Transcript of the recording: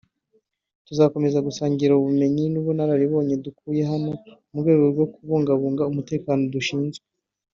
tuzakomeza gusangira ubumenyi n’ubunararibonye dukuye hano mu rwego rwo kubungabunga umutekano dushinzwe